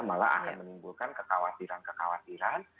malah akan menimbulkan kekhawatiran kekhawatiran